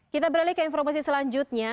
kita beralih ke informasi selanjutnya